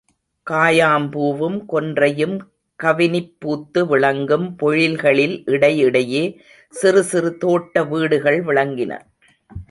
காயாம்பூவும் கொன்றையும் கவினிப் பூத்து விளங்கும் பொழில்களில் இடை இடையே சிறுசிறு தோட்ட வீடுகள் விளங்கின.